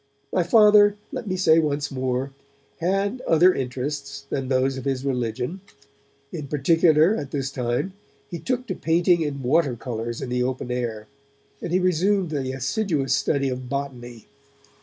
My Father, let me say once more, had other interests than those of his religion. In particular, at this time, he took to painting in water colours in the open air, and he resumed the assiduous study of botany.